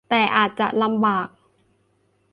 แต่อาจจะลำบาก